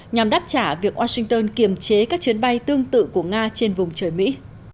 nhằm đáp trả việc washington kiềm chế các chuyến bay tương tự của nga trên vùng trời mỹ